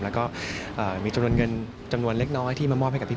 แล้วก็มีจำนวนเงินจำนวนเล็กน้อยที่มามอบให้กับพี่